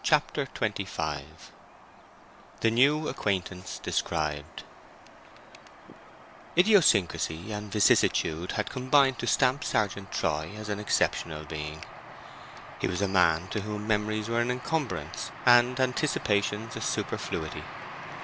CHAPTER XXV THE NEW ACQUAINTANCE DESCRIBED Idiosyncrasy and vicissitude had combined to stamp Sergeant Troy as an exceptional being. He was a man to whom memories were an incumbrance, and anticipations a superfluity.